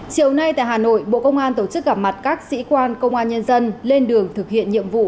chiều nay tại hà nội bộ công an tổ chức gặp mặt các sĩ quan công an nhân dân lên đường thực hiện nhiệm vụ